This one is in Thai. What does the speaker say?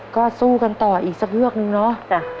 ก็สู้กันต่ออีกสักเรื่องนึงเนาะ